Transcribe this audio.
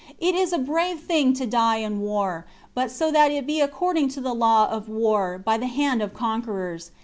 It is a brave thing to die in war; but so that it be according to the law of war, by the hand of conquerors.